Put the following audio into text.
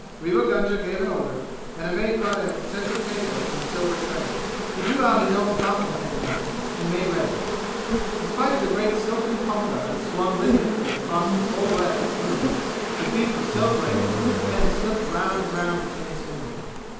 Rewa Gunga gave an order, and a maid brought him scented paper on a silver tray. He drew out his own fountain pen then and made ready. In spite of the great silken punkah that swung rhythmically across the full breadth of the room the beat was so great that the pen slipped round and round between his fingers.